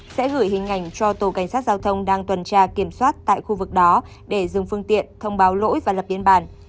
sẽ gửi hình ảnh cho tổ cảnh sát giao thông đang tuần tra kiểm soát tại khu vực đó để dừng phương tiện thông báo lỗi và lập biên bản